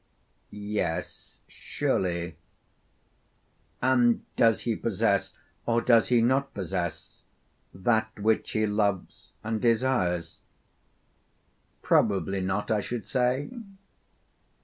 Yes, surely. And does he possess, or does he not possess, that which he loves and desires? Probably not, I should say.